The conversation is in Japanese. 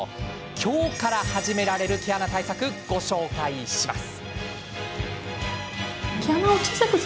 今日から始められる毛穴対策、ご紹介します。